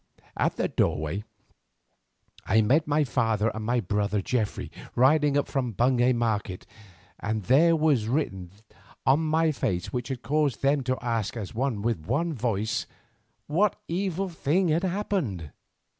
At the doorway I met my father and my brother Geoffrey riding up from Bungay market, and there was that written on my face which caused them to ask as with one voice: "What evil thing has happened?"